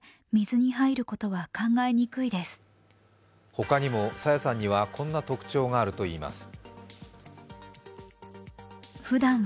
他にも朝芽さんにはこんな特徴があるといいます。